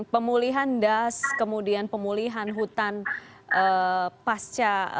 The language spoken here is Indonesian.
pemulihan das kemudian pemulihan hutan pasca eksplorasi itu apakah juga